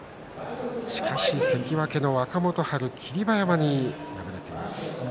しかし関脇の若元春霧馬山に敗れています。